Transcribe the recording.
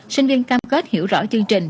sinh viên cam kết hiểu rõ chương trình